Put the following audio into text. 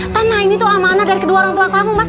kan nah ini tuh amanah dari kedua orang tua kamu mas